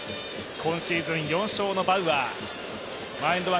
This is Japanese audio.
今シーズン４勝のバウアー。